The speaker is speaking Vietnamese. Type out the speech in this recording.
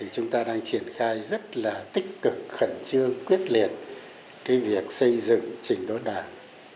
chúng ta đang triển khai rất là tích cực khẩn trương quyết liệt việc xây dựng trình đốn đảng